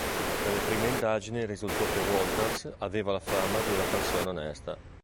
Dalle prime indagini risultò che Walters aveva la fama di una persona onesta.